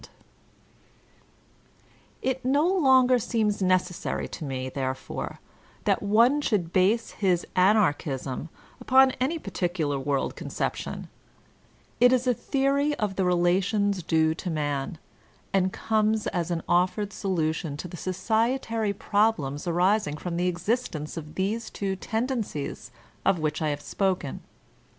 9B Voltahinb db Cleyu It no longer teems necessary to me, therefore, that one should base his Anarchism upon any particular worid conception; it is a theory of the relations due to roan and comes as an offered solution to the sodetary problems arising from the exbtence of these two tenden cies of which I have spoken.